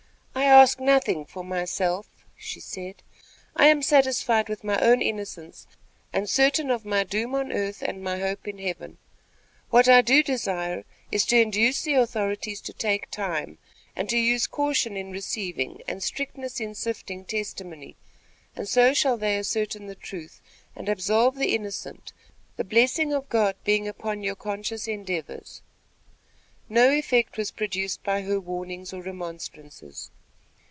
"I ask nothing for myself," she said. "I am satisfied with my own innocence and certain of my doom on earth and my hope in Heaven. What I do desire, is to induce the authorities to take time, and to use caution in receiving and strictness in sifting testimony; and so shall they ascertain the truth, and absolve the innocent, the blessing of God being upon your conscientious endeavors." No effect was produced by her warnings or remonstrances.